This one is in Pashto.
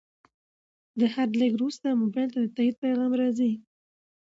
د هر لیږد وروسته موبایل ته د تایید پیغام راځي.